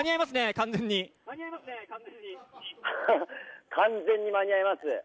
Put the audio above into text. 完全に間に合います